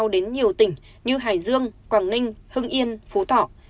dương quảng ninh hưng yên phú thỏ